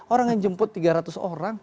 orang yang jemput tiga ratus orang